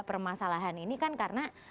permasalahan ini kan karena